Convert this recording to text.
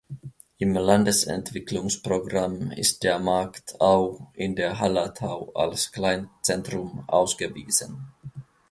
Im Landesentwicklungsprogramm ist der Markt Au in der Hallertau als Kleinzentrum ausgewiesen.